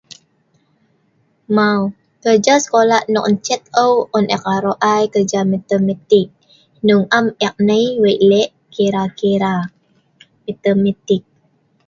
Mau, kerja sekola nok encet au an ek arok i kerja matematik . Hnong am ek nai lek kira-kira matematik